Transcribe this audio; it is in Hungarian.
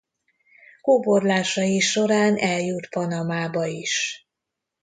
Kóborlásai során eljut Panamába is.